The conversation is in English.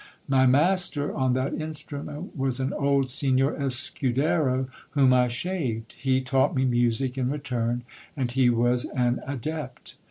My master on that instrument was an old Senor Escudero whom I shaved. He taught me music in return ; and he was an adept.